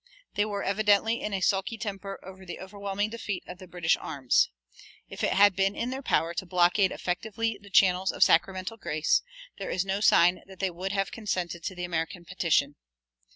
They were evidently in a sulky temper over the overwhelming defeat of the British arms. If it had been in their power to blockade effectively the channels of sacramental grace, there is no sign that they would have consented to the American petition.